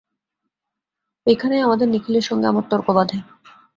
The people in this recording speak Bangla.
এইখানেই আমাদের নিখিলের সঙ্গে আমার তর্ক বাধে।